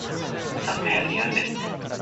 昨夜。ゆうべ。